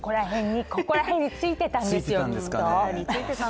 ここら辺についてたんですよ、きっと。